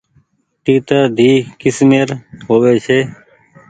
تيترۮي ڪسمير هووي ڇي۔